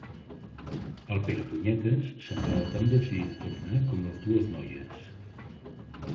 El Perepunyetes semblava tan decidit a tornar com les dues noies.